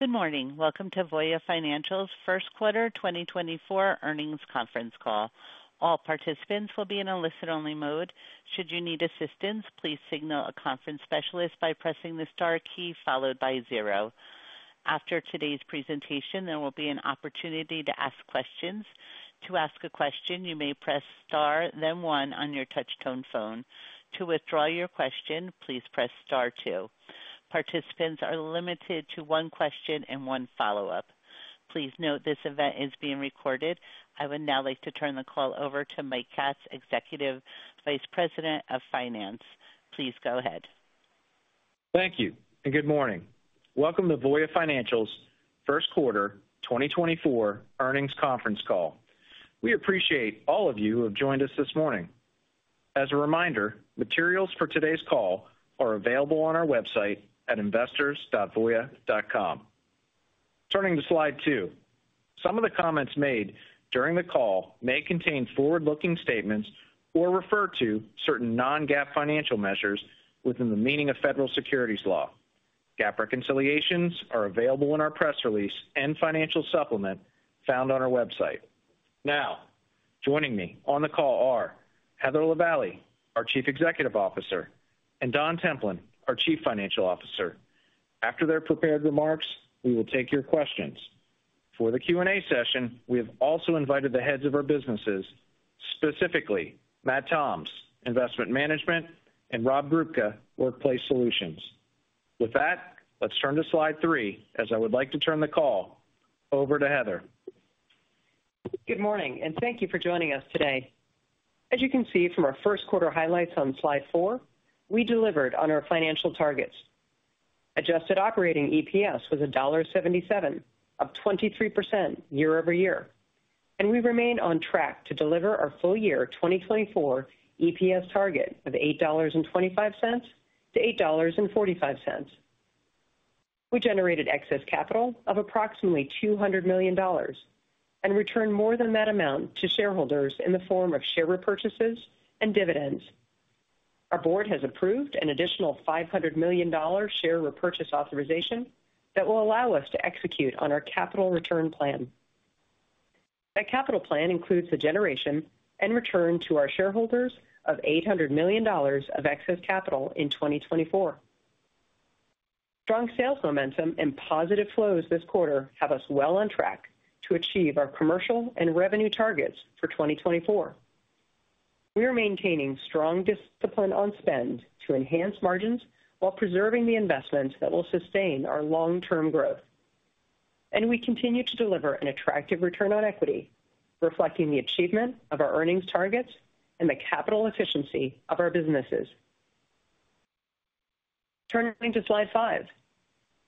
Good morning. Welcome to Voya Financial's first quarter 2024 earnings conference call. All participants will be in a listen-only mode. Should you need assistance, please signal a conference specialist by pressing the star key followed by zero. After today's presentation, there will be an opportunity to ask questions. To ask a question, you may press star, then one on your touch-tone phone. To withdraw your question, please press star two. Participants are limited to one question and one follow-up. Please note this event is being recorded. I would now like to turn the call over to Mike Katz, Executive Vice President of Finance. Please go ahead. Thank you, and good morning. Welcome to Voya Financial's first quarter 2024 earnings conference call. We appreciate all of you who have joined us this morning. As a reminder, materials for today's call are available on our website at investors.voya.com. Turning to slide two. Some of the comments made during the call may contain forward-looking statements or refer to certain non-GAAP financial measures within the meaning of federal securities law. GAAP reconciliations are available in our press release and financial supplement found on our website. Now, joining me on the call are Heather Lavallee, our Chief Executive Officer, and Don Templin, our Chief Financial Officer. After their prepared remarks, we will take your questions. For the Q&A session, we have also invited the heads of our businesses, specifically Matt Toms, Investment Management, and Rob Grubka, Workplace Solutions. With that, let's turn to slide three as I would like to turn the call over to Heather. Good morning, and thank you for joining us today. As you can see from our first quarter highlights on slide four, we delivered on our financial targets. Adjusted operating EPS was $1.77, up 23% year-over-year, and we remain on track to deliver our full-year 2024 EPS target of $8.25-$8.45. We generated excess capital of approximately $200 million and returned more than that amount to shareholders in the form of share repurchases and dividends. Our board has approved an additional $500 million share repurchase authorization that will allow us to execute on our capital return plan. That capital plan includes the generation and return to our shareholders of $800 million of excess capital in 2024. Strong sales momentum and positive flows this quarter have us well on track to achieve our commercial and revenue targets for 2024. We are maintaining strong discipline on spend to enhance margins while preserving the investments that will sustain our long-term growth, and we continue to deliver an attractive return on equity, reflecting the achievement of our earnings targets and the capital efficiency of our businesses. Turning to slide five.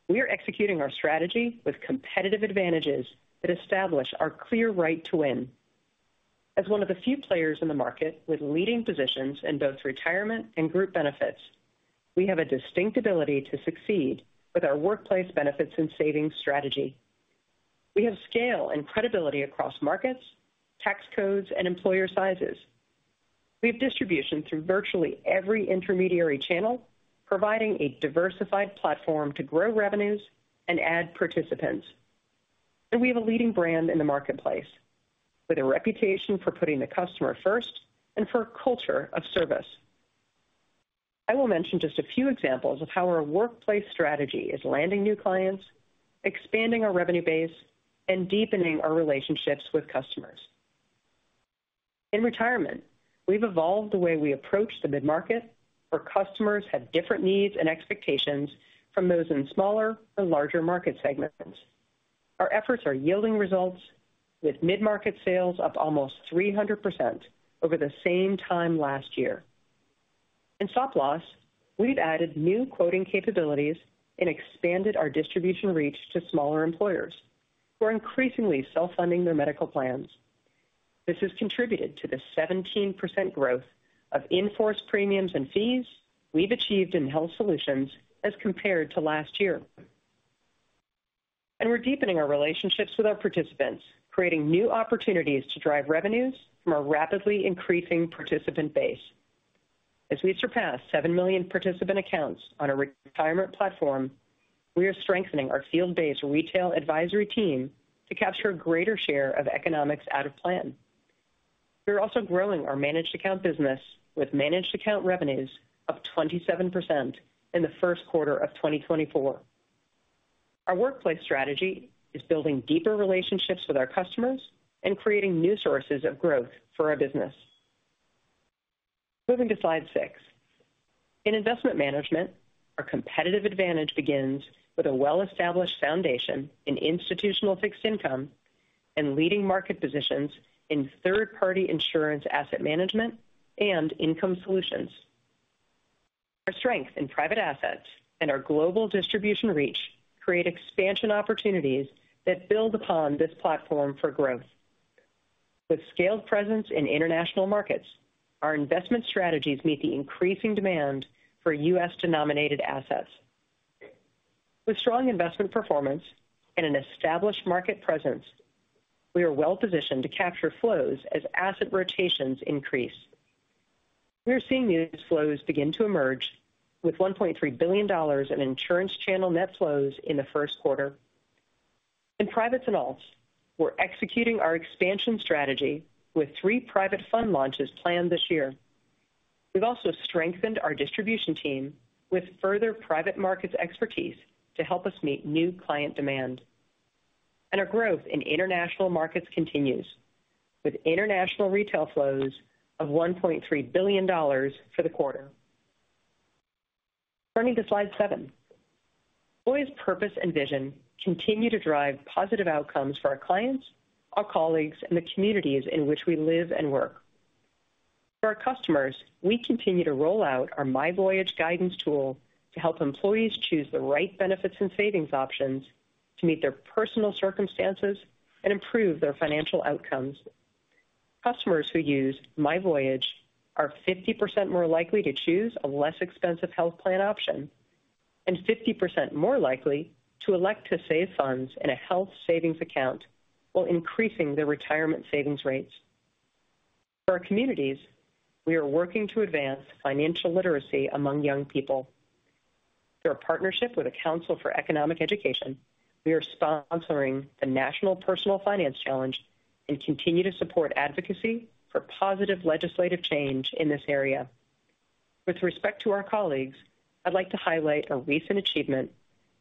We are executing our strategy with competitive advantages that establish our clear right to win. As one of the few players in the market with leading positions in both retirement and group benefits, we have a distinct ability to succeed with our workplace benefits and savings strategy. We have scale and credibility across markets, tax codes, and employer sizes. We have distribution through virtually every intermediary channel, providing a diversified platform to grow revenues and add participants. And we have a leading brand in the marketplace with a reputation for putting the customer first and for a culture of service. I will mention just a few examples of how our workplace strategy is landing new clients, expanding our revenue base, and deepening our relationships with customers. In retirement, we've evolved the way we approach the mid-market where customers have different needs and expectations from those in smaller or larger market segments. Our efforts are yielding results with mid-market sales up almost 300% over the same time last year. In Stop Loss, we've added new quoting capabilities and expanded our distribution reach to smaller employers who are increasingly self-funding their medical plans. This has contributed to the 17% growth of in-force premiums and fees we've achieved in Health Solutions as compared to last year. And we're deepening our relationships with our participants, creating new opportunities to drive revenues from our rapidly increasing participant base. As we surpass 7 million participant accounts on a retirement platform, we are strengthening our field-based retail advisory team to capture a greater share of economics out of plan. We're also growing our managed account business with managed account revenues up 27% in the first quarter of 2024. Our workplace strategy is building deeper relationships with our customers and creating new sources of growth for our business. Moving to slide six. In Investment Management, our competitive advantage begins with a well-established foundation in institutional fixed income and leading market positions in third-party insurance asset management and income solutions. Our strength in private assets and our global distribution reach create expansion opportunities that build upon this platform for growth. With scaled presence in international markets, our investment strategies meet the increasing demand for U.S.-denominated assets. With strong investment performance and an established market presence, we are well positioned to capture flows as asset rotations increase. We are seeing these flows begin to emerge with $1.3 billion in insurance channel net flows in the first quarter. In private and alts, we're executing our expansion strategy with three private fund launches planned this year. We've also strengthened our distribution team with further private markets expertise to help us meet new client demand. Our growth in international markets continues with international retail flows of $1.3 billion for the quarter. Turning to slide seven. Voya's purpose and vision continue to drive positive outcomes for our clients, our colleagues, and the communities in which we live and work. For our customers, we continue to roll out our myVoyage guidance tool to help employees choose the right benefits and savings options to meet their personal circumstances and improve their financial outcomes. Customers who use myVoyage are 50% more likely to choose a less expensive health plan option and 50% more likely to elect to save funds in a health savings account while increasing their retirement savings rates. For our communities, we are working to advance financial literacy among young people. Through our partnership with the Council for Economic Education, we are sponsoring the National Personal Finance Challenge and continue to support advocacy for positive legislative change in this area. With respect to our colleagues, I'd like to highlight a recent achievement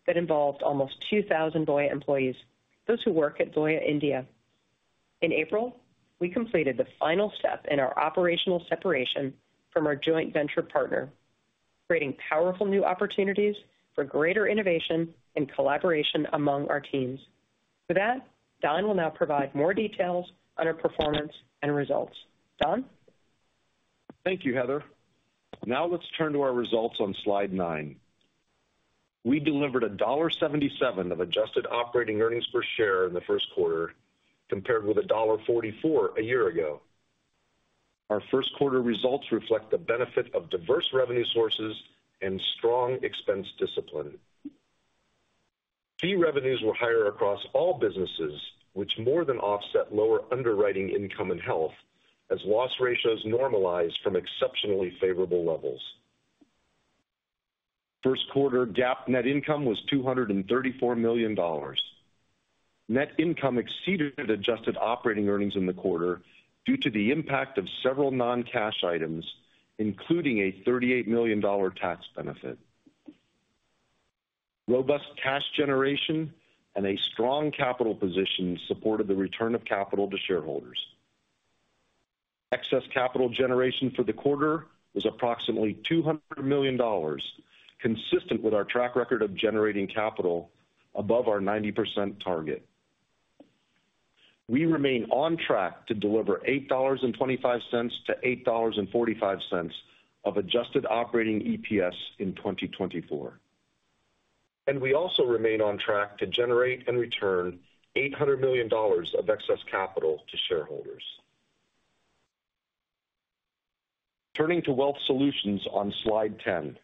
that involved almost 2,000 Voya employees, those who work at Voya India. In April, we completed the final step in our operational separation from our joint venture partner, creating powerful new opportunities for greater innovation and collaboration among our teams. With that, Don will now provide more details on our performance and results. Don? Thank you, Heather. Now let's turn to our results on slide nine. We delivered $1.77 of adjusted operating earnings per share in the first quarter compared with $1.44 a year ago. Our first quarter results reflect the benefit of diverse revenue sources and strong expense discipline. Fee revenues were higher across all businesses, which more than offset lower underwriting income in health as loss ratios normalized from exceptionally favorable levels. First quarter GAAP net income was $234 million. Net income exceeded adjusted operating earnings in the quarter due to the impact of several non-cash items, including a $38 million tax benefit. Robust cash generation and a strong capital position supported the return of capital to shareholders. Excess capital generation for the quarter was approximately $200 million, consistent with our track record of generating capital above our 90% target. We remain on track to deliver $8.25-$8.45 of adjusted operating EPS in 2024. We also remain on track to generate and return $800 million of excess capital to shareholders. Turning to Wealth Solutions on slide 10.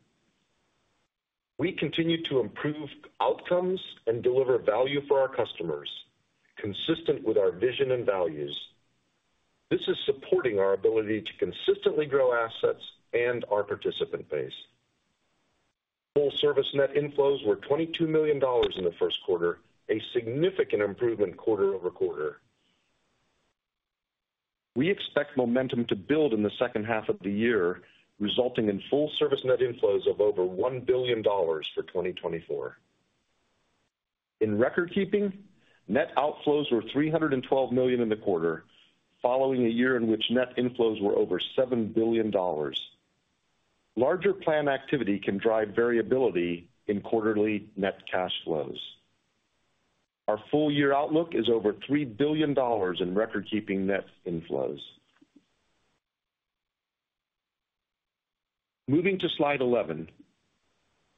We continue to improve outcomes and deliver value for our customers, consistent with our vision and values. This is supporting our ability to consistently grow assets and our participant base. Full Service net inflows were $22 million in the first quarter, a significant improvement quarter-over-quarter. We expect momentum to build in the second half of the year, resulting in Full Service net inflows of over $1 billion for 2024. In Recordkeeping, net outflows were $312 million in the quarter, following a year in which net inflows were over $7 billion. Larger plan activity can drive variability in quarterly net cash flows. Our full-year outlook is over $3 billion in Recordkeeping net inflows. Moving to slide 11.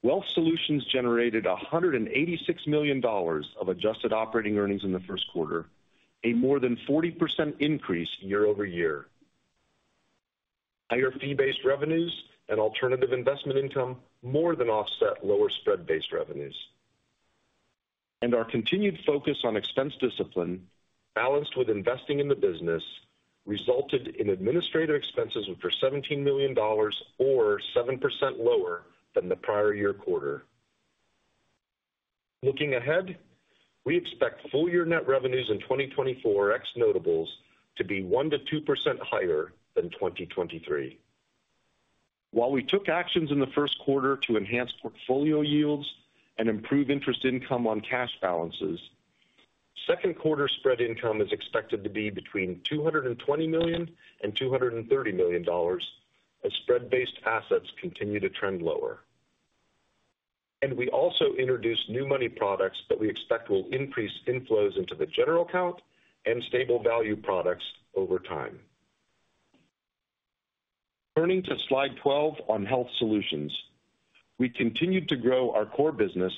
Wealth Solutions generated $186 million of adjusted operating earnings in the first quarter, a more than 40% increase year-over-year. Higher fee-based revenues and alternative investment income more than offset lower spread-based revenues. Our continued focus on expense discipline, balanced with investing in the business, resulted in administrative expenses were $17 million or 7% lower than the prior year quarter. Looking ahead, we expect full-year net revenues in 2024 ex notables to be 1%-2% higher than 2023. While we took actions in the first quarter to enhance portfolio yields and improve interest income on cash balances, second quarter spread income is expected to be between $220 million-$230 million as spread-based assets continue to trend lower. We also introduced new money products that we expect will increase inflows into the general account and stable value products over time. Turning to slide 12 on Health Solutions. We continued to grow our core business,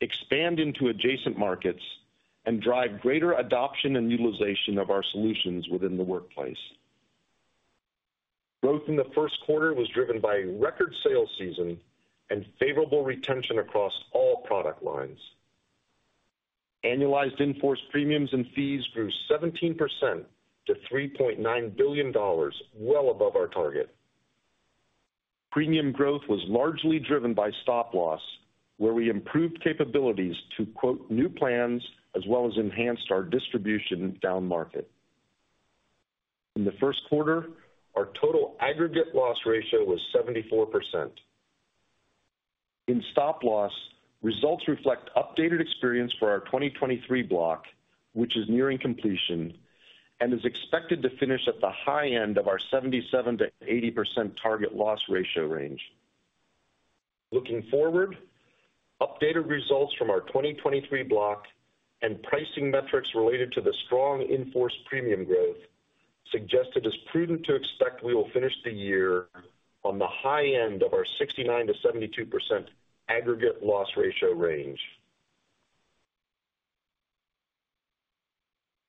expand into adjacent markets, and drive greater adoption and utilization of our solutions within the workplace. Growth in the first quarter was driven by a record sales season and favorable retention across all product lines. Annualized in-force premiums and fees grew 17% to $3.9 billion, well above our target. Premium growth was largely driven by Stop Loss, where we improved capabilities to quote new plans as well as enhanced our distribution down market. In the first quarter, our total aggregate loss ratio was 74%. In Stop Loss, results reflect updated experience for our 2023 block, which is nearing completion and is expected to finish at the high end of our 77%-80% target loss ratio range. Looking forward, updated results from our 2023 block and pricing metrics related to the strong in-force premium growth suggest it is prudent to expect we will finish the year on the high end of our 69%-72% aggregate loss ratio range.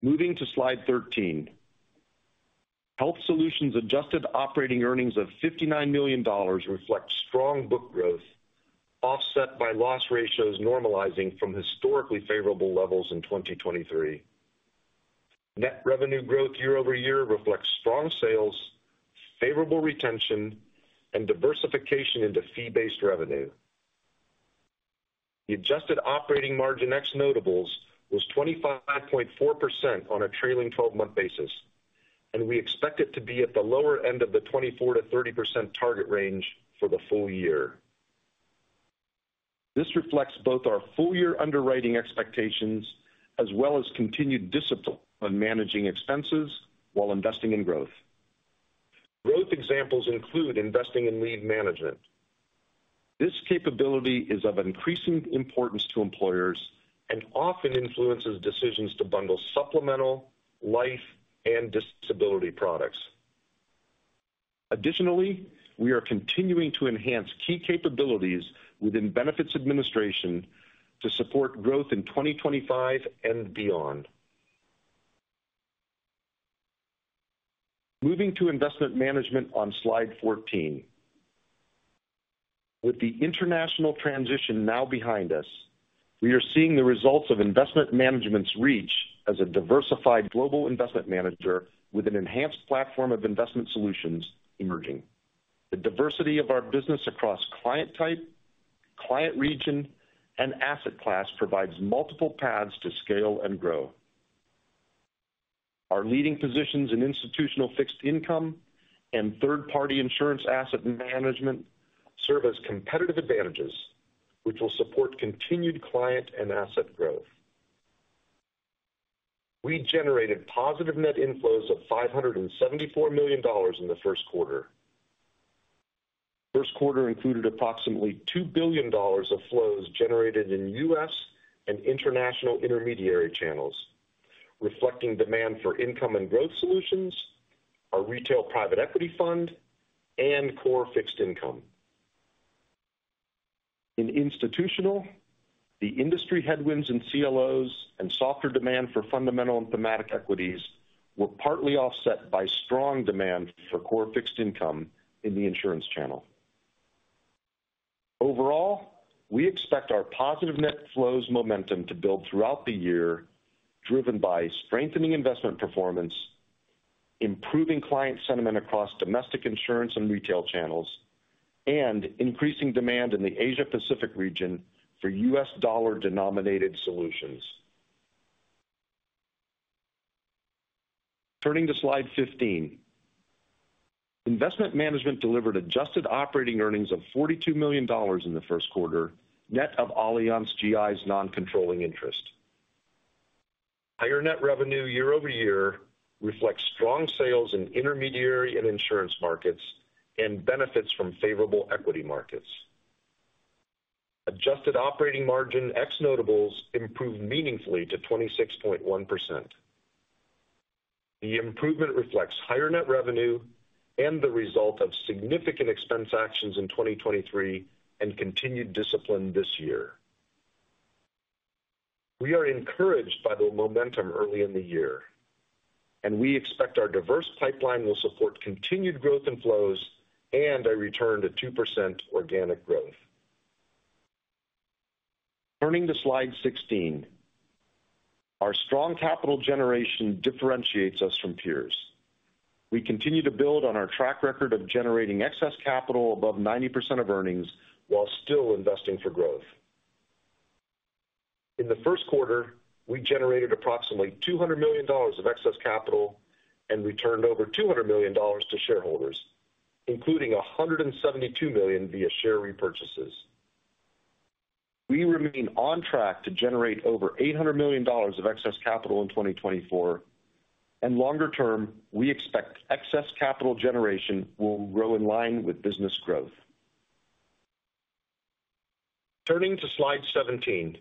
Moving to slide 13. Health Solutions' adjusted operating earnings of $59 million reflect strong book growth offset by loss ratios normalizing from historically favorable levels in 2023. Net revenue growth year-over-year reflects strong sales, favorable retention, and diversification into fee-based revenue. The adjusted operating margin ex notables was 25.4% on a trailing 12-month basis, and we expect it to be at the lower end of the 24%-30% target range for the full-year. This reflects both our full-year underwriting expectations as well as continued discipline on managing expenses while investing in growth. Growth examples include investing in lead management. This capability is of increasing importance to employers and often influences decisions to bundle supplemental, life, and disability products. Additionally, we are continuing to enhance key capabilities within benefits administration to support growth in 2025 and beyond. Moving to Investment Management on slide 14. With the international transition now behind us, we are seeing the results of Investment Management's reach as a diversified global investment manager with an enhanced platform of investment solutions emerging. The diversity of our business across client type, client region, and asset class provides multiple paths to scale and grow. Our leading positions in institutional fixed income and third-party insurance asset management serve as competitive advantages, which will support continued client and asset growth. We generated positive net inflows of $574 million in the first quarter. First quarter included approximately $2 billion of flows generated in U.S. and international intermediary channels, reflecting demand for income and growth solutions, our retail private equity fund, and core fixed income. In institutional, the industry headwinds in CLOs and softer demand for fundamental and thematic equities were partly offset by strong demand for core fixed income in the insurance channel. Overall, we expect our positive net flows momentum to build throughout the year, driven by strengthening investment performance, improving client sentiment across domestic insurance and retail channels, and increasing demand in the Asia-Pacific region for U.S. dollar-denominated solutions. Turning to slide 15. Investment Management delivered adjusted operating earnings of $42 million in the first quarter, net of Allianz GI's non-controlling interest. Higher net revenue year-over-year reflects strong sales in intermediary and insurance markets and benefits from favorable equity markets. Adjusted operating margin ex notables improved meaningfully to 26.1%. The improvement reflects higher net revenue and the result of significant expense actions in 2023 and continued discipline this year. We are encouraged by the momentum early in the year, and we expect our diverse pipeline will support continued growth in flows and a return to 2% organic growth. Turning to slide 16. Our strong capital generation differentiates us from peers. We continue to build on our track record of generating excess capital above 90% of earnings while still investing for growth. In the first quarter, we generated approximately $200 million of excess capital and returned over $200 million to shareholders, including $172 million via share repurchases. We remain on track to generate over $800 million of excess capital in 2024, and longer term, we expect excess capital generation will grow in line with business growth. Turning to slide 17.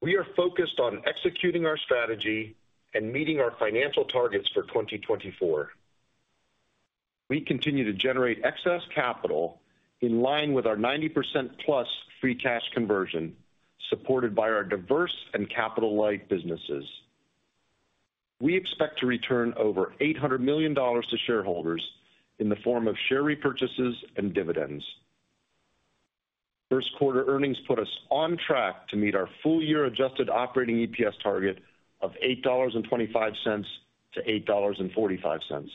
We are focused on executing our strategy and meeting our financial targets for 2024. We continue to generate excess capital in line with our 90%+ free cash conversion, supported by our diverse and capital-light businesses. We expect to return over $800 million to shareholders in the form of share repurchases and dividends. First quarter earnings put us on track to meet our full-year adjusted operating EPS target of $8.25-$8.45,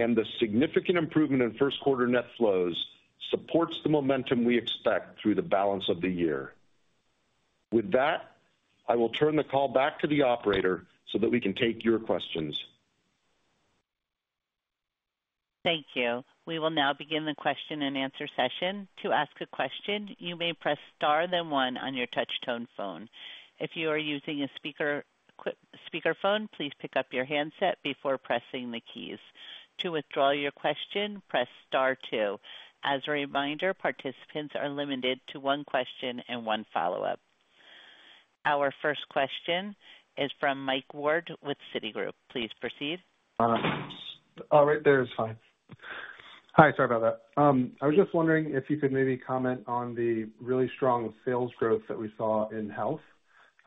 and the significant improvement in first quarter net flows supports the momentum we expect through the balance of the year. With that, I will turn the call back to the operator so that we can take your questions. Thank you. We will now begin the question and answer session. To ask a question, you may press star then one on your touch-tone phone. If you are using a speakerphone, please pick up your handset before pressing the keys. To withdraw your question, press star two. As a reminder, participants are limited to one question and one follow-up. Our first question is from Mike Ward with Citigroup. Please proceed. All right. That's fine. Hi. Sorry about that. I was just wondering if you could maybe comment on the really strong sales growth that we saw in health.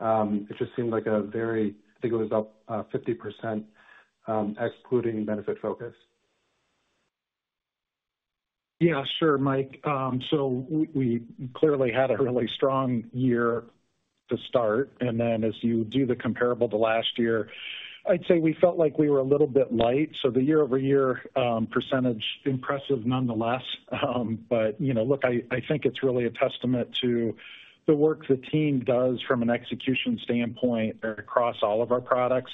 It just seemed like a very, I think, it was up 50%, excluding Benefitfocus. Yeah. Sure, Mike. So we clearly had a really strong year to start. And then as you do the comparable to last year, I'd say we felt like we were a little bit light. So the year-over-year percentage. Impressive nonetheless. But look, I think it's really a testament to the work the team does from an execution standpoint across all of our products.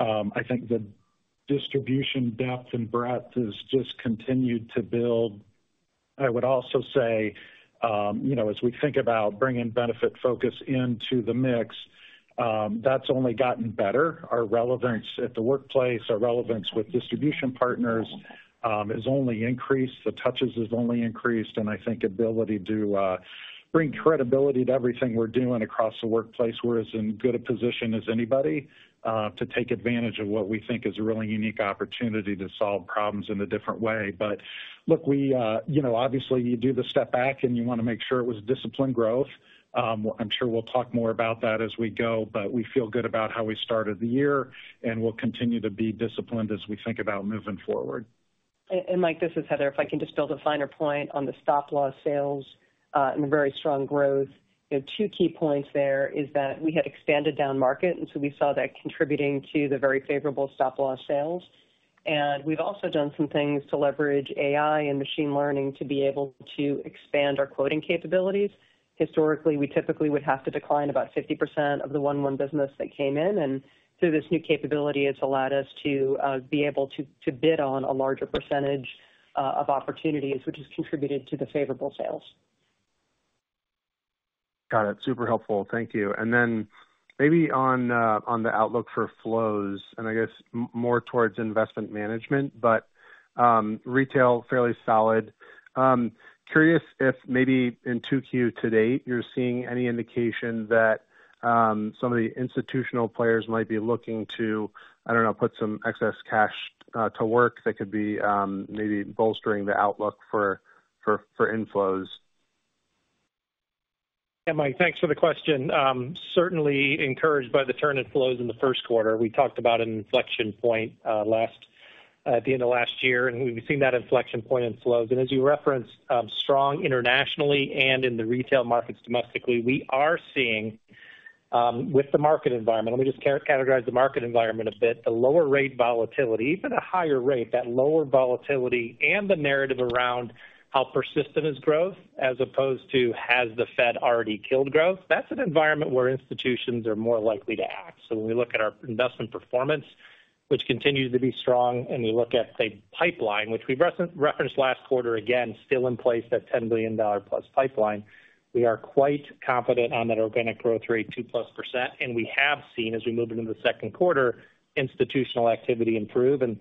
I think the distribution depth and breadth has just continued to build. I would also say, as we think about bringing Benefitfocus into the mix, that's only gotten better. Our relevance at the workplace, our relevance with distribution partners has only increased. The touches have only increased. And I think ability to bring credibility to everything we're doing across the workplace. We're as good a position as anybody to take advantage of what we think is a really unique opportunity to solve problems in a different way. But look, obviously, you do the step back, and you want to make sure it was disciplined growth. I'm sure we'll talk more about that as we go. But we feel good about how we started the year, and we'll continue to be disciplined as we think about moving forward. Mike, this is Heather. If I can just build a finer point on the Stop Loss sales and the very strong growth, two key points there is that we had expanded down market, and so we saw that contributing to the very favorable Stop Loss sales. We've also done some things to leverage AI and machine learning to be able to expand our quoting capabilities. Historically, we typically would have to decline about 50% of the 1/1 business that came in. Through this new capability, it's allowed us to be able to bid on a larger percentage of opportunities, which has contributed to the favorable sales. Got it. Super helpful. Thank you. And then maybe on the outlook for flows, and I guess more towards Investment Management, but retail fairly solid. Curious if maybe in 2Q to date, you're seeing any indication that some of the institutional players might be looking to, I don't know, put some excess cash to work that could be maybe bolstering the outlook for inflows? Yeah, Mike, thanks for the question. Certainly encouraged by the turn in flows in the first quarter. We talked about an inflection point at the end of last year, and we've seen that inflection point in flows. As you referenced, strong internationally and in the retail markets domestically, we are seeing, with the market environment let me just categorize the market environment a bit. The lower rate volatility, even a higher rate, that lower volatility and the narrative around how persistent is growth as opposed to has the Fed already killed growth, that's an environment where institutions are more likely to act. So when we look at our investment performance, which continues to be strong, and we look at the pipeline, which we referenced last quarter again, still in place that $10 billion-plus pipeline, we are quite confident on that organic growth rate 2%+. We have seen, as we move into the second quarter, institutional activity improve. We've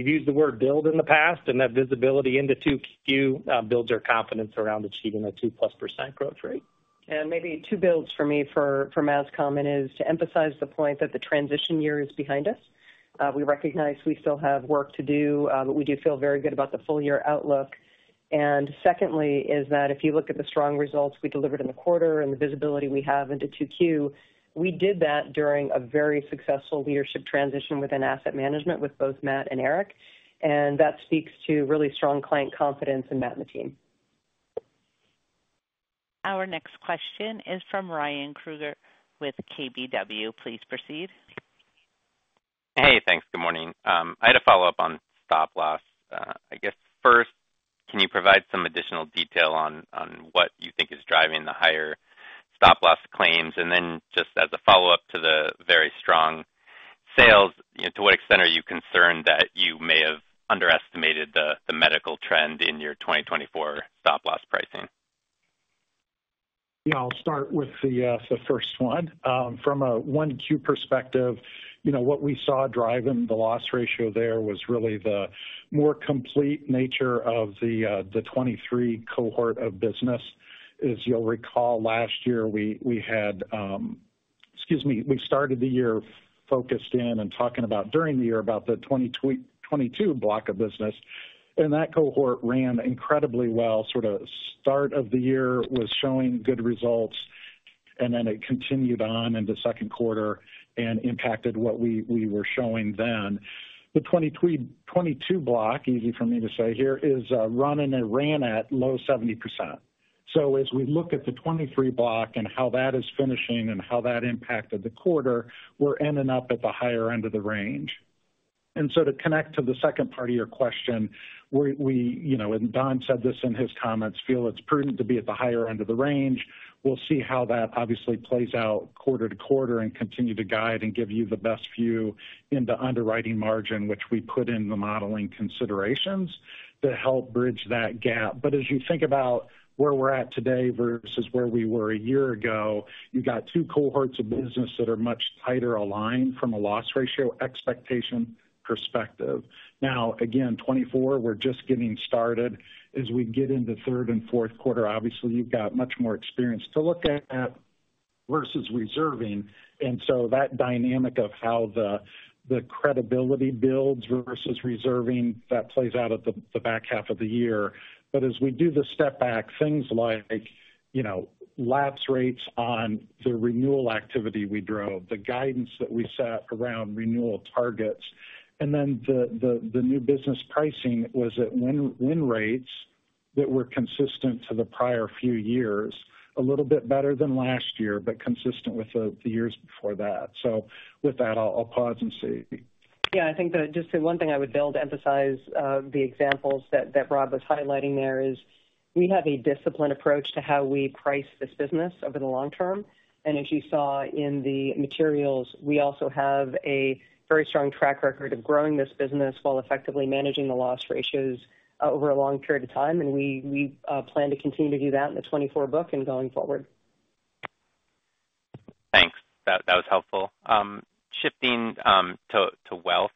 used the word build in the past, and that visibility into 2Q builds our confidence around achieving a 2%+ growth rate. And maybe two points for me from my comments is to emphasize the point that the transition year is behind us. We recognize we still have work to do, but we do feel very good about the full-year outlook. And secondly is that if you look at the strong results we delivered in the quarter and the visibility we have into 2Q, we did that during a very successful leadership transition within asset management with both Matt and Eric. And that speaks to really strong client confidence in Matt and the team. Our next question is from Ryan Krueger with KBW. Please proceed. Hey. Thanks. Good morning. I had a follow-up on Stop Loss. I guess first, can you provide some additional detail on what you think is driving the higher Stop Loss claims? And then just as a follow-up to the very strong sales, to what extent are you concerned that you may have underestimated the medical trend in your 2024 Stop Loss pricing? Yeah. I'll start with the first one. From a 1Q perspective, what we saw driving the loss ratio there was really the more complete nature of the 2023 cohort of business. As you'll recall, last year, we had excuse me. We started the year focused in and talking about during the year about the 2022 block of business. And that cohort ran incredibly well. Sort of start of the year was showing good results, and then it continued on into second quarter and impacted what we were showing then. The 2022 block, easy for me to say here, is running and ran at low 70%. So as we look at the 2023 block and how that is finishing and how that impacted the quarter, we're ending up at the higher end of the range. And so to connect to the second part of your question, we and Don said this in his comments, feel it's prudent to be at the higher end of the range. We'll see how that obviously plays out quarter to quarter and continue to guide and give you the best view into underwriting margin, which we put in the modeling considerations to help bridge that gap. But as you think about where we're at today versus where we were a year ago, you got two cohorts of business that are much tighter aligned from a loss ratio expectation perspective. Now, again, 2024, we're just getting started. As we get into third and fourth quarter, obviously, you've got much more experience to look at versus reserving. And so that dynamic of how the credibility builds versus reserving, that plays out at the back half of the year. But as we do the step back, things like lapse rates on the renewal activity we drove, the guidance that we set around renewal targets, and then the new business pricing was at win rates that were consistent to the prior few years, a little bit better than last year but consistent with the years before that. So with that, I'll pause and see. Yeah. I think that just the one thing I would build, emphasize the examples that Rob was highlighting there is we have a disciplined approach to how we price this business over the long term. As you saw in the materials, we also have a very strong track record of growing this business while effectively managing the loss ratios over a long period of time. We plan to continue to do that in the 2024 book and going forward. Thanks. That was helpful. Shifting to wealth,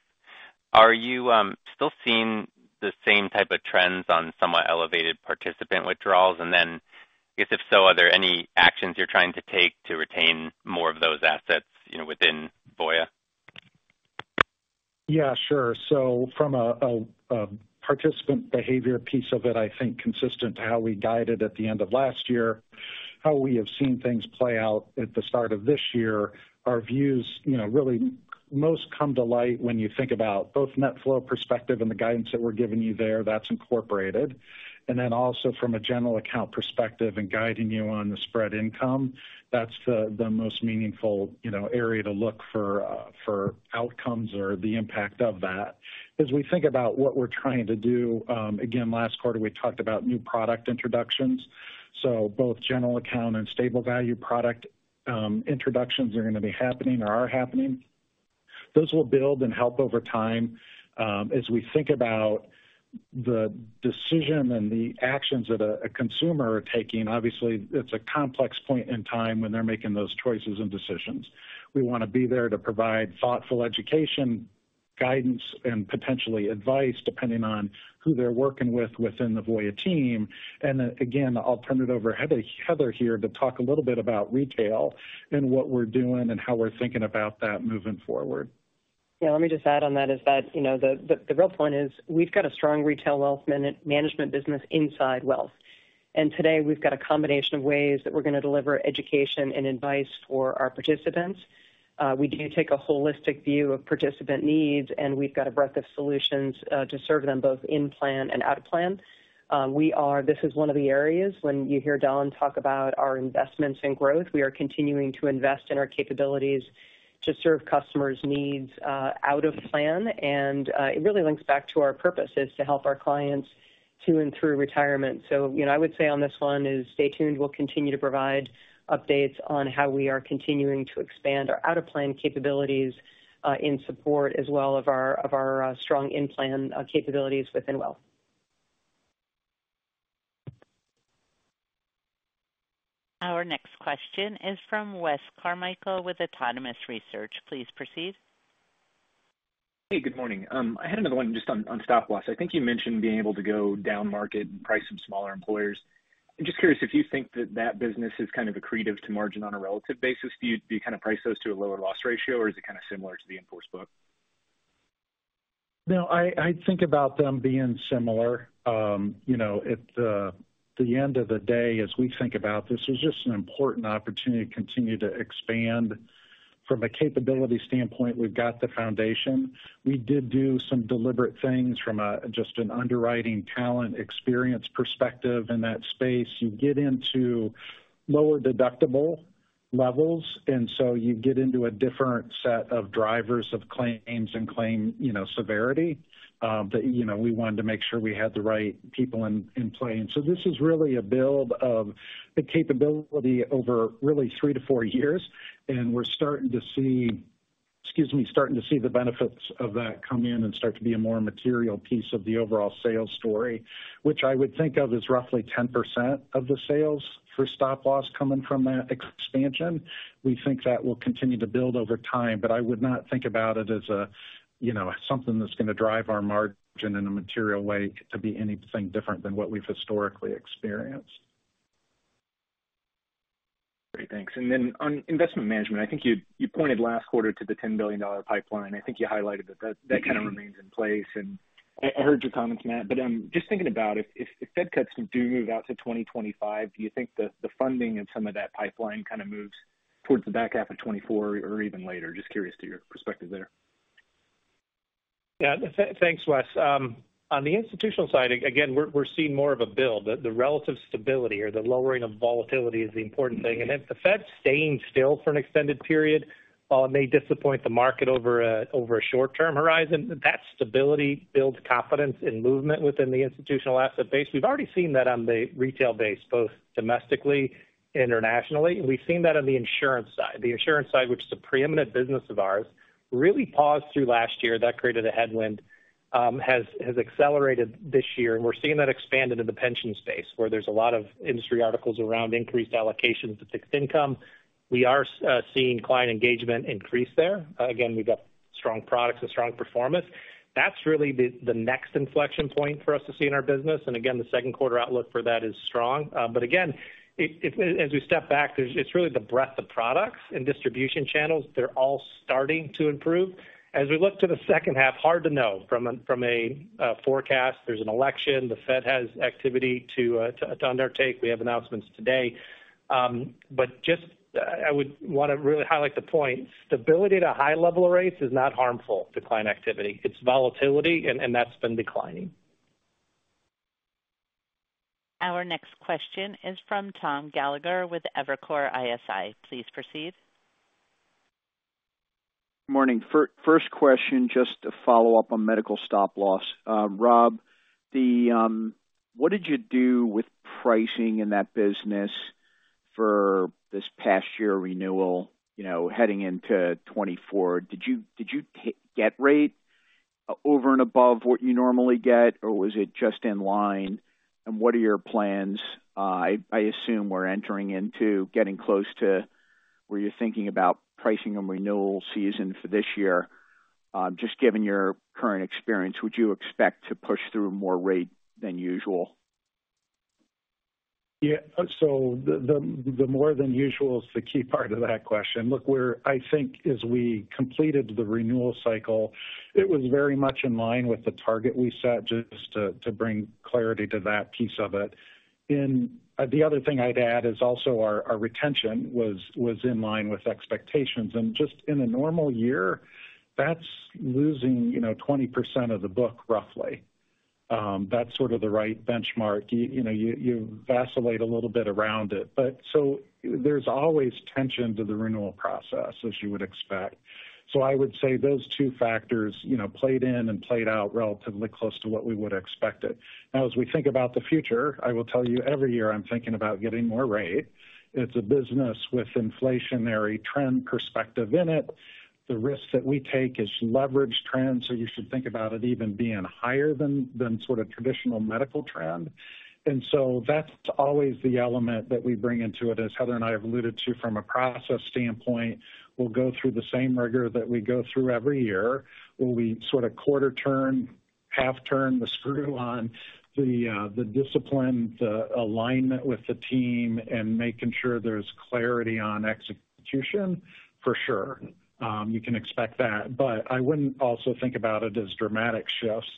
are you still seeing the same type of trends on somewhat elevated participant withdrawals? And then I guess if so, are there any actions you're trying to take to retain more of those assets within Voya? Yeah. Sure. So from a participant behavior piece of it, I think, consistent to how we guided at the end of last year, how we have seen things play out at the start of this year, our views really most come to light when you think about both net flow perspective and the guidance that we're giving you there, that's incorporated. And then also from a general account perspective and guiding you on the spread income, that's the most meaningful area to look for outcomes or the impact of that. As we think about what we're trying to do again, last quarter, we talked about new product introductions. So both general account and stable value product introductions are going to be happening or are happening. Those will build and help over time as we think about the decision and the actions that a consumer is taking. Obviously, it's a complex point in time when they're making those choices and decisions. We want to be there to provide thoughtful education, guidance, and potentially advice depending on who they're working with within the Voya team. Again, I'll turn it over to Heather here to talk a little bit about retail and what we're doing and how we're thinking about that moving forward. Yeah. Let me just add on that is that the real point is we've got a strong retail wealth management business inside wealth. And today, we've got a combination of ways that we're going to deliver education and advice for our participants. We do take a holistic view of participant needs, and we've got a breadth of solutions to serve them both in plan and out of plan. This is one of the areas when you hear Don talk about our investments in growth. We are continuing to invest in our capabilities to serve customers' needs out of plan. And it really links back to our purpose is to help our clients through and through retirement. So I would say on this one is stay tuned. We'll continue to provide updates on how we are continuing to expand our out-of-plan capabilities in support as well of our strong in-plan capabilities within wealth. Our next question is from Wes Carmichael with Autonomous Research. Please proceed. Hey. Good morning. I had another one just on Stop Loss. I think you mentioned being able to go down market and price some smaller employers. I'm just curious if you think that that business is kind of accretive to margin on a relative basis. Do you kind of price those to a lower loss ratio, or is it kind of similar to the in-force book? No. I think about them being similar. At the end of the day, as we think about this, it's just an important opportunity to continue to expand from a capability standpoint. We've got the foundation. We did do some deliberate things from just an underwriting talent experience perspective in that space. You get into lower deductible levels, and so you get into a different set of drivers of claims and claim severity that we wanted to make sure we had the right people in play. And so this is really a build of the capability over really three to four years. And we're starting to see, excuse me, the benefits of that come in and start to be a more material piece of the overall sales story, which I would think of as roughly 10% of the sales for Stop Loss coming from that expansion. We think that will continue to build over time, but I would not think about it as something that's going to drive our margin in a material way to be anything different than what we've historically experienced. Great. Thanks. And then on Investment Management, I think you pointed last quarter to the $10 billion pipeline. I think you highlighted that that kind of remains in place. And I heard your comments, Matt. But just thinking about if Fed cuts do move out to 2025, do you think the funding of some of that pipeline kind of moves towards the back half of 2024 or even later? Just curious to your perspective there. Yeah. Thanks, Wes. On the institutional side, again, we're seeing more of a build. The relative stability or the lowering of volatility is the important thing. And if the Fed's staying still for an extended period while it may disappoint the market over a short-term horizon, that stability builds confidence in movement within the institutional asset base. We've already seen that on the retail base, both domestically and internationally. And we've seen that on the insurance side. The insurance side, which is a preeminent business of ours, really paused through last year. That created a headwind, has accelerated this year. And we're seeing that expand into the pension space where there's a lot of industry articles around increased allocations to fixed income. We are seeing client engagement increase there. Again, we've got strong products and strong performance. That's really the next inflection point for us to see in our business. And again, the second quarter outlook for that is strong. But again, as we step back, it's really the breadth of products and distribution channels. They're all starting to improve. As we look to the second half, hard to know. From a forecast, there's an election. The Fed has activity to undertake. We have announcements today. But just I would want to really highlight the point. Stability at a high level of rates is not harmful to client activity. It's volatility, and that's been declining. Our next question is from Tom Gallagher with Evercore ISI. Please proceed. Good morning. First question, just a follow-up on medical Stop Loss. Rob, what did you do with pricing in that business for this past year renewal heading into 2024? Did you get rate over and above what you normally get, or was it just in line? And what are your plans? I assume we're entering into getting close to where you're thinking about pricing and renewal season for this year. Just given your current experience, would you expect to push through more rate than usual? Yeah. So the more than usual is the key part of that question. Look, I think as we completed the renewal cycle, it was very much in line with the target we set, just to bring clarity to that piece of it. The other thing I'd add is also our retention was in line with expectations. Just in a normal year, that's losing 20% of the book, roughly. That's sort of the right benchmark. You vacillate a little bit around it. So there's always tension to the renewal process, as you would expect. So I would say those two factors played in and played out relatively close to what we would expect it. Now, as we think about the future, I will tell you, every year, I'm thinking about getting more rate. It's a business with inflationary trend perspective in it. The risk that we take is leveraged trend, so you should think about it even being higher than sort of traditional medical trend. And so that's always the element that we bring into it, as Heather and I have alluded to from a process standpoint. We'll go through the same rigor that we go through every year. Will we sort of quarter turn, half turn the screw on the discipline, the alignment with the team, and making sure there's clarity on execution? For sure, you can expect that. But I wouldn't also think about it as dramatic shifts.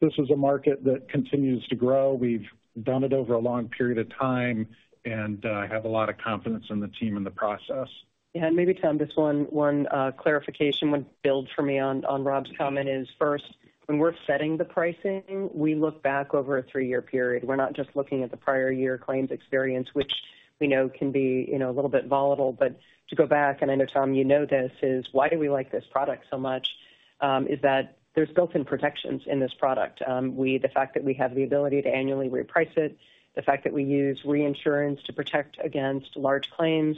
This is a market that continues to grow. We've done it over a long period of time, and I have a lot of confidence in the team and the process. Yeah. And maybe, Tom, just one clarification, one build for me on Rob's comment is first, when we're setting the pricing, we look back over a three-year period. We're not just looking at the prior year claims experience, which we know can be a little bit volatile. But to go back, and I know, Tom, you know this, is why do we like this product so much? Is that there's built-in protections in this product. The fact that we have the ability to annually reprice it, the fact that we use reinsurance to protect against large claims,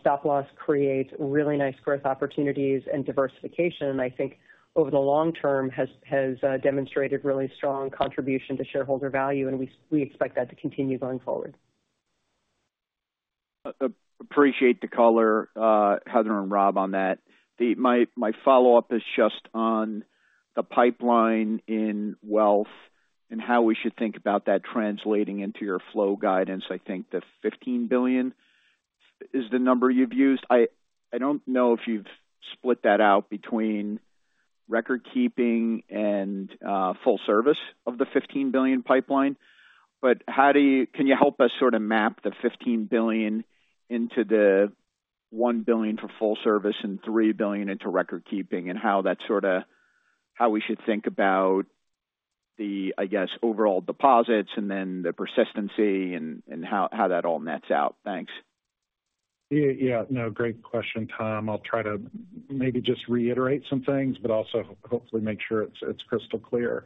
Stop Loss creates really nice growth opportunities and diversification, I think, over the long term has demonstrated really strong contribution to shareholder value. And we expect that to continue going forward. Appreciate the color, Heather and Rob, on that. My follow-up is just on the pipeline in wealth and how we should think about that translating into your flow guidance. I think the $15 billion is the number you've used. I don't know if you've split that out between Recordkeeping and Full Service of the $15 billion pipeline. But can you help us sort of map the $15 billion into the $1 billion for Full Service and $3 billion into Recordkeeping and how we should think about the, I guess, overall deposits and then the persistency and how that all nets out? Thanks. Yeah. No. Great question, Tom. I'll try to maybe just reiterate some things but also hopefully make sure it's crystal clear.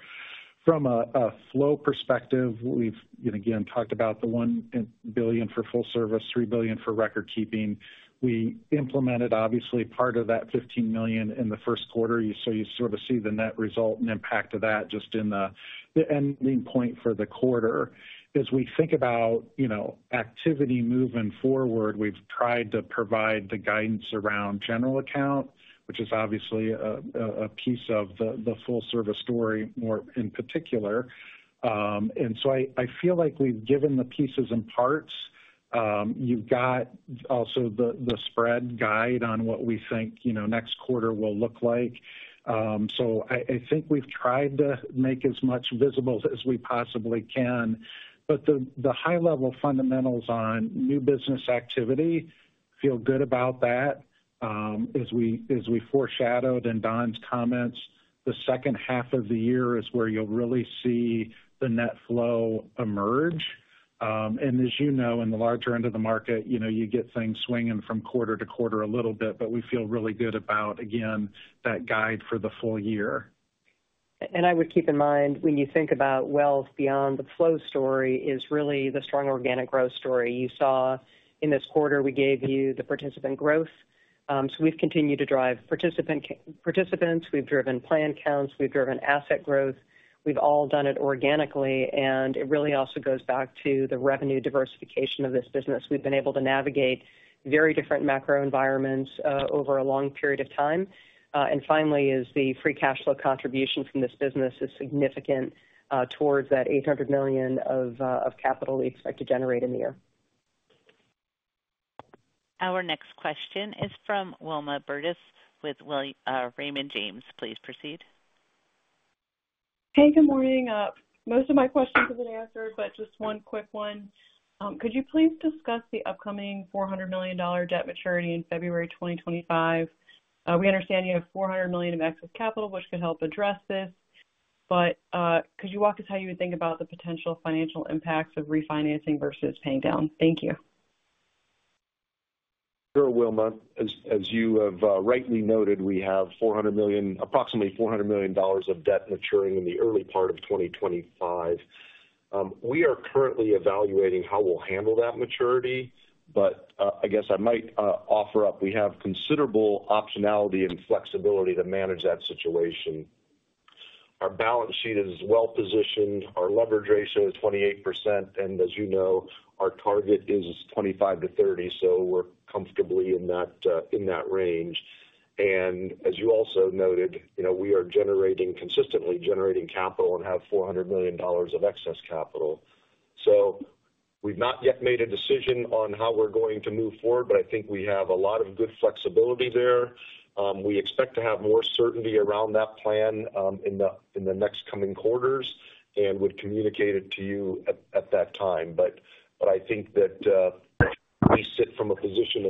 From a flow perspective, we've, again, talked about the $1 billion for Full Service, $3 billion for Recordkeeping. We implemented, obviously, part of that $15 million in the first quarter. So you sort of see the net result and impact of that just in the ending point for the quarter. As we think about activity moving forward, we've tried to provide the guidance around general account, which is obviously a piece of the Full Service story more in particular. And so I feel like we've given the pieces and parts. You've got also the spread guide on what we think next quarter will look like. So I think we've tried to make as much visible as we possibly can. But the high-level fundamentals on new business activity feel good about that. As we foreshadowed in Don's comments, the second half of the year is where you'll really see the net flow emerge. And as you know, in the larger end of the market, you get things swinging from quarter to quarter a little bit. But we feel really good about, again, that guide for the full-year. I would keep in mind when you think about wealth, beyond the flow story is really the strong organic growth story. You saw in this quarter we gave you the participant growth. We've continued to drive participants. We've driven plan counts. We've driven asset growth. We've all done it organically. It really also goes back to the revenue diversification of this business. We've been able to navigate very different macro environments over a long period of time. Finally, the free cash flow contribution from this business is significant towards that $800 million of capital we expect to generate in the year. Our next question is from Wilma Burdis with Raymond James. Please proceed. Hey. Good morning. Most of my questions have been answered, but just one quick one. Could you please discuss the upcoming $400 million debt maturity in February 2025? We understand you have $400 million of excess capital, which could help address this. But could you walk us how you would think about the potential financial impacts of refinancing versus paying down? Thank you. Sure, Wilma. As you have rightly noted, we have approximately $400 million of debt maturing in the early part of 2025. We are currently evaluating how we'll handle that maturity. But I guess I might offer up we have considerable optionality and flexibility to manage that situation. Our balance sheet is well-positioned. Our leverage ratio is 28%. And as you know, our target is 25%-30%. So we're comfortably in that range. And as you also noted, we are consistently generating capital and have $400 million of excess capital. So we've not yet made a decision on how we're going to move forward, but I think we have a lot of good flexibility there. We expect to have more certainty around that plan in the next coming quarters and would communicate it to you at that time. But I think that we sit from a position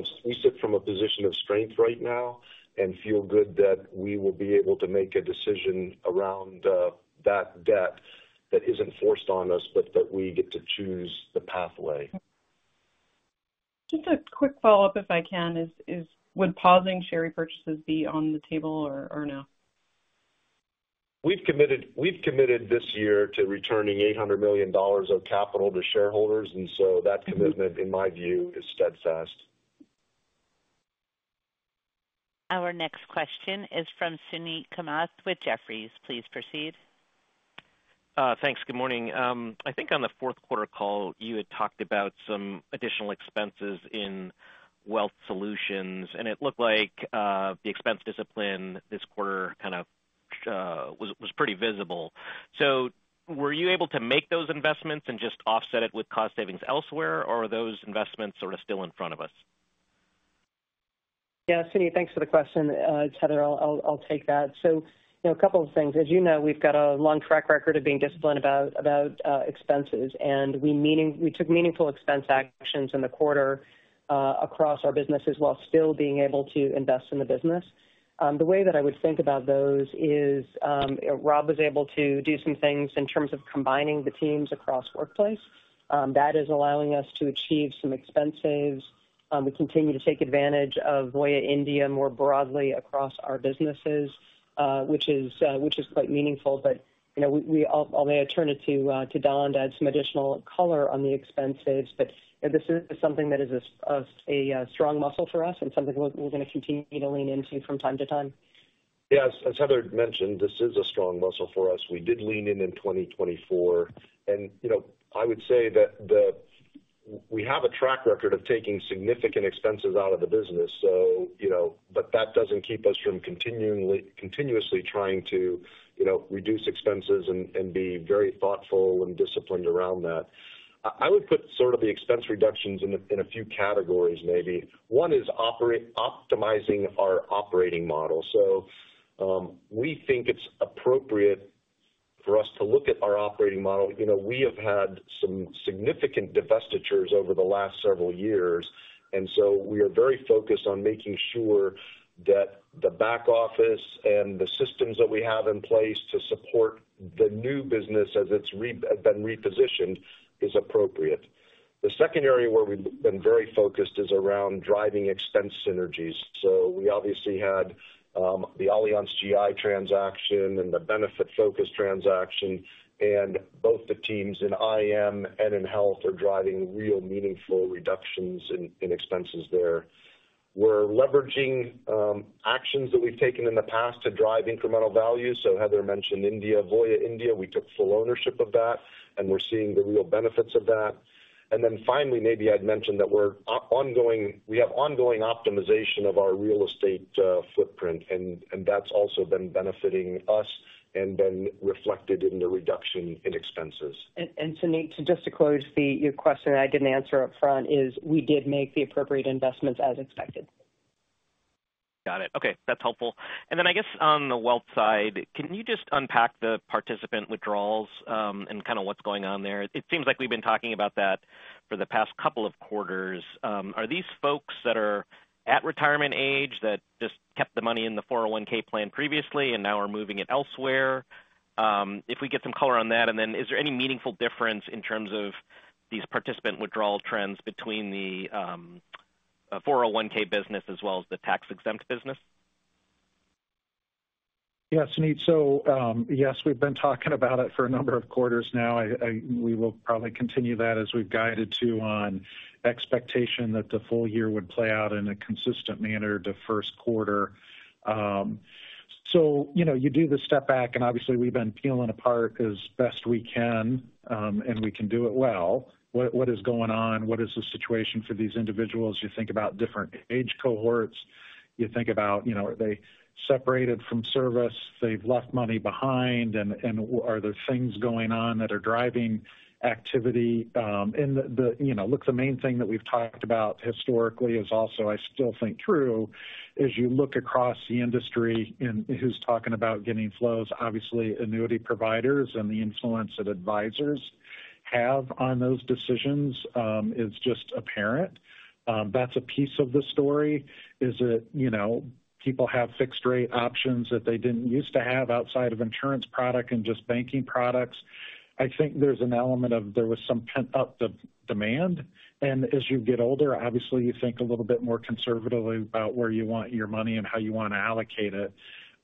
of strength right now and feel good that we will be able to make a decision around that debt that isn't forced on us but that we get to choose the pathway. Just a quick follow-up, if I can, would pausing share repurchases be on the table or no? We've committed this year to returning $800 million of capital to shareholders. And so that commitment, in my view, is steadfast. Our next question is from Suneet Kamath with Jefferies. Please proceed. Thanks. Good morning. I think on the fourth quarter call, you had talked about some additional expenses in Wealth Solutions. And it looked like the expense discipline this quarter kind of was pretty visible. So were you able to make those investments and just offset it with cost savings elsewhere, or are those investments sort of still in front of us? Yeah. Suneet, thanks for the question. Heather, I'll take that. So a couple of things. As you know, we've got a long track record of being disciplined about expenses. And we took meaningful expense actions in the quarter across our businesses while still being able to invest in the business. The way that I would think about those is Rob was able to do some things in terms of combining the teams across workplace. That is allowing us to achieve some expense saves. We continue to take advantage of Voya India more broadly across our businesses, which is quite meaningful. But I'll maybe turn it to Don to add some additional color on the expense saves. But this is something that is a strong muscle for us and something we're going to continue to lean into from time to time. Yeah. As Heather mentioned, this is a strong muscle for us. We did lean in in 2024. And I would say that we have a track record of taking significant expenses out of the business. But that doesn't keep us from continuously trying to reduce expenses and be very thoughtful and disciplined around that. I would put sort of the expense reductions in a few categories, maybe. One is optimizing our operating model. So we think it's appropriate for us to look at our operating model. We have had some significant divestitures over the last several years. And so we are very focused on making sure that the back office and the systems that we have in place to support the new business as it's been repositioned is appropriate. The second area where we've been very focused is around driving expense synergies. So we obviously had the Allianz GI transaction and the Benefitfocus transaction. Both the teams in IM and in health are driving real meaningful reductions in expenses there. We're leveraging actions that we've taken in the past to drive incremental value. So Heather mentioned Voya India. We took full ownership of that, and we're seeing the real benefits of that. Then finally, maybe I'd mention that we have ongoing optimization of our real estate footprint. That's also been benefiting us and been reflected in the reduction in expenses. Suneet, just to close your question that I didn't answer upfront is we did make the appropriate investments as expected. Got it. Okay. That's helpful. And then I guess on the wealth side, can you just unpack the participant withdrawals and kind of what's going on there? It seems like we've been talking about that for the past couple of quarters. Are these folks that are at retirement age that just kept the money in the 401(k) plan previously and now are moving it elsewhere? If we get some color on that. And then is there any meaningful difference in terms of these participant withdrawal trends between the 401(k) business as well as the tax-exempt business? Yeah, Suneet. So yes, we've been talking about it for a number of quarters now. We will probably continue that as we've guided to on expectation that the full-year would play out in a consistent manner to first quarter. So you do the step back. And obviously, we've been peeling apart as best we can. And we can do it well. What is going on? What is the situation for these individuals? You think about different age cohorts. You think about are they separated from service? They've left money behind. And are there things going on that are driving activity? And look, the main thing that we've talked about historically is also, I still think true, is you look across the industry and who's talking about getting flows. Obviously, annuity providers and the influence that advisors have on those decisions is just apparent. That's a piece of the story. Is it people have fixed-rate options that they didn't used to have outside of insurance product and just banking products? I think there's an element of there was some pent-up demand. As you get older, obviously, you think a little bit more conservatively about where you want your money and how you want to allocate it.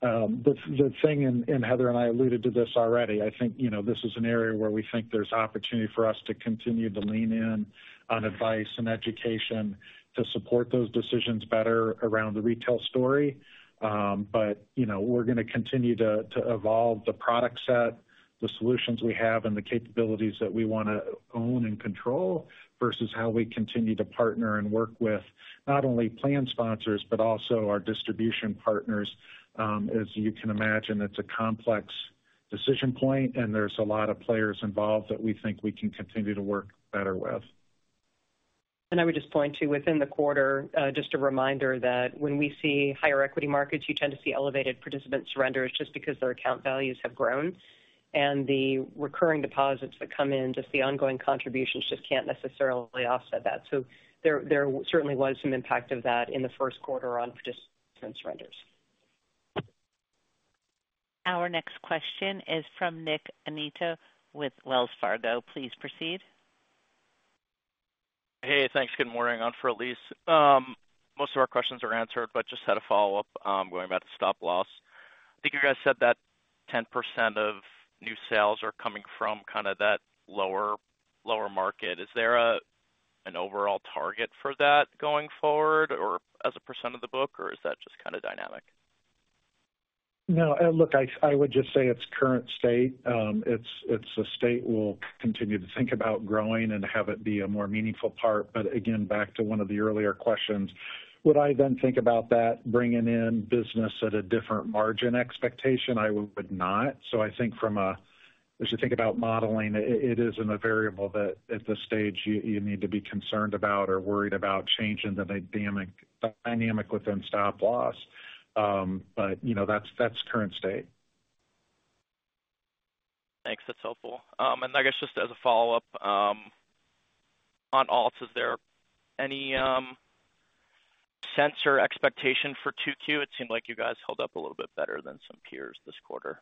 The thing and Heather and I alluded to this already. I think this is an area where we think there's opportunity for us to continue to lean in on advice and education to support those decisions better around the retail story. But we're going to continue to evolve the product set, the solutions we have, and the capabilities that we want to own and control versus how we continue to partner and work with not only plan sponsors but also our distribution partners. As you can imagine, it's a complex decision point. There's a lot of players involved that we think we can continue to work better with. I would just point to within the quarter, just a reminder that when we see higher equity markets, you tend to see elevated participant surrenders just because their account values have grown. The recurring deposits that come in, just the ongoing contributions just can't necessarily offset that. There certainly was some impact of that in the first quarter on participant surrenders. Our next question is from Nick Annitto with Wells Fargo. Please proceed. Hey. Thanks. Good morning. I'm filling in. Most of our questions are answered, but just had a follow-up going about the Stop Loss. I think you guys said that 10% of new sales are coming from kind of that lower market. Is there an overall target for that going forward as a percent of the book, or is that just kind of dynamic? No. Look, I would just say it's current state. It's a state we'll continue to think about growing and have it be a more meaningful part. But again, back to one of the earlier questions, would I then think about that bringing in business at a different margin expectation? I would not. So I think from a as you think about modeling, it isn't a variable that at this stage you need to be concerned about or worried about changing the dynamic within Stop Loss. But that's current state. Thanks. That's helpful. I guess just as a follow-up on alts, is there any sense or expectation for 2Q? It seemed like you guys held up a little bit better than some peers this quarter.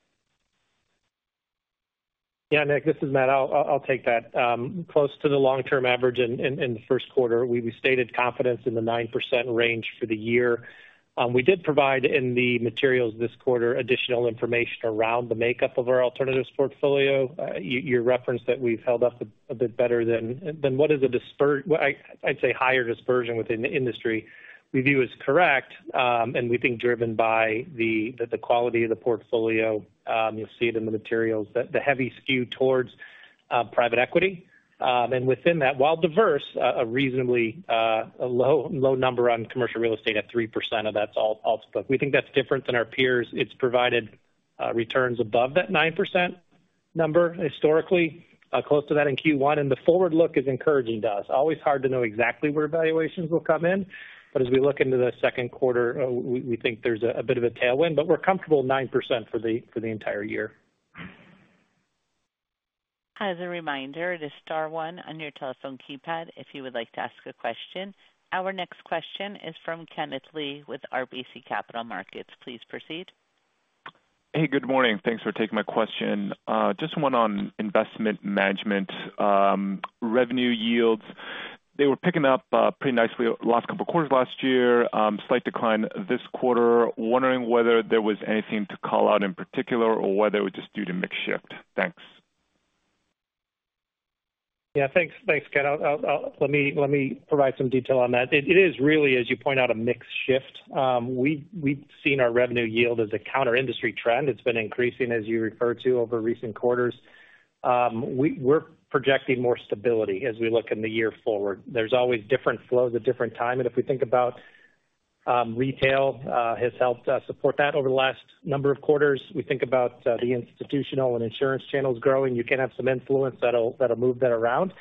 Yeah, Nick. This is Matt. I'll take that. Close to the long-term average in the first quarter, we stated confidence in the 9% range for the year. We did provide in the materials this quarter additional information around the makeup of our alternatives portfolio. Your reference that we've held up a bit better than what is a I'd say higher dispersion within the industry, we view as correct. And we think driven by the quality of the portfolio. You'll see it in the materials, the heavy skew towards private equity. And within that, while diverse, a reasonably low number on commercial real estate at 3% of total alts book. We think that's different than our peers. It's provided returns above that 9% number historically, close to that in Q1. And the forward look is encouraging to us. Always hard to know exactly where valuations will come in. But as we look into the second quarter, we think there's a bit of a tailwind. But we're comfortable 9% for the entire year. As a reminder, it is star one on your telephone keypad if you would like to ask a question. Our next question is from Kenneth Lee with RBC Capital Markets. Please proceed. Hey. Good morning. Thanks for taking my question. Just one on Investment Management. Revenue yields, they were picking up pretty nicely the last couple of quarters last year, slight decline this quarter. Wondering whether there was anything to call out in particular or whether it was just due to mix shift? Thanks. Yeah. Thanks, Ken. Let me provide some detail on that. It is really, as you point out, a mix shift. We've seen our revenue yield as a counter-industry trend. It's been increasing, as you referred to, over recent quarters. We're projecting more stability as we look in the year forward. There's always different flows at different times. And if we think about retail has helped support that over the last number of quarters. We think about the institutional and insurance channels growing. You can have some influence that'll move that around.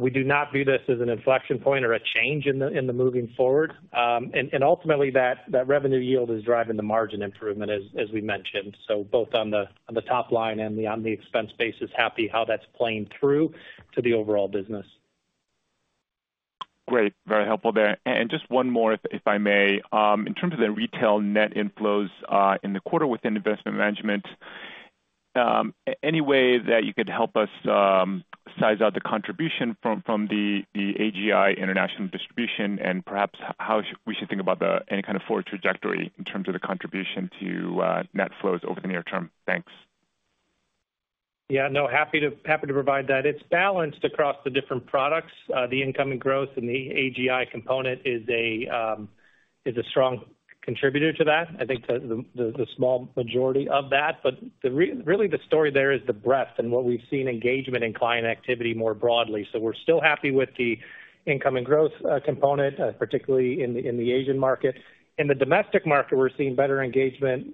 We do not view this as an inflection point or a change in the moving forward. And ultimately, that revenue yield is driving the margin improvement, as we mentioned. So both on the top line and on the expense basis, happy how that's playing through to the overall business. Great. Very helpful there. Just one more, if I may. In terms of the retail net inflows in the quarter within Investment Management, any way that you could help us size out the contribution from the AGI international distribution and perhaps how we should think about any kind of forward trajectory in terms of the contribution to net flows over the near term. Thanks. Yeah. No. Happy to provide that. It's balanced across the different products. The incoming growth in the AGI component is a strong contributor to that, I think, to the small majority of that. But really, the story there is the breadth and what we've seen, engagement in client activity more broadly. So we're still happy with the incoming growth component, particularly in the Asian market. In the domestic market, we're seeing better engagement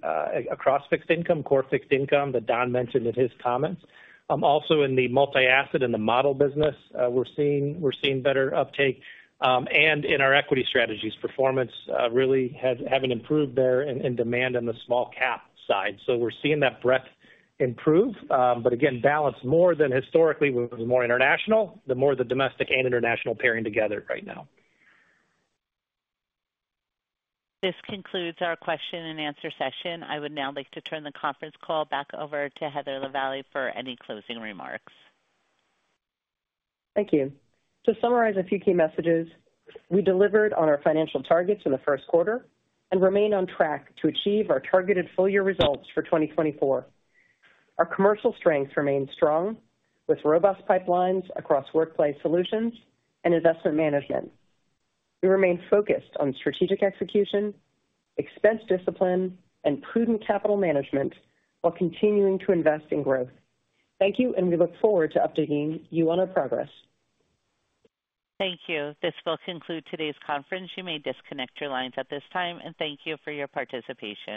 across fixed income, core fixed income that Don mentioned in his comments. Also in the multi-asset and the model business, we're seeing better uptake. And in our equity strategies, performance really having improved there in demand on the small-cap side. So we're seeing that breadth improve. But again, balanced more than historically with more international, the more the domestic and international pairing together right now. This concludes our question and answer session. I would now like to turn the conference call back over to Heather Lavallee for any closing remarks. Thank you. To summarize a few key messages, we delivered on our financial targets in the first quarter and remain on track to achieve our targeted full-year results for 2024. Our commercial strengths remain strong with robust pipelines across Workplace Solutions and Investment Management. We remain focused on strategic execution, expense discipline, and prudent capital management while continuing to invest in growth. Thank you. And we look forward to updating you on our progress. Thank you. This will conclude today's conference. You may disconnect your lines at this time. Thank you for your participation.